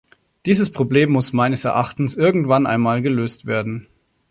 Dieses Problem muss meines Erachtens irgendwann einmal gelöst werden.